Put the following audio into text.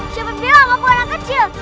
siapa bilang aku yang kecil